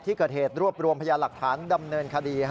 ที่เกิดเหตุรวบรวมพยานหลักฐานดำเนินคดี